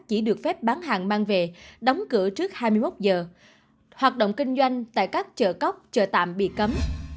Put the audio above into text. chỉ được phép bán hàng mang về đóng cửa trước hai mươi một giờ hoạt động kinh doanh tại các chợ cóc chợ tạm bị cấm